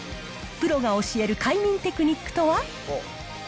プロが教える快眠テクニックとは。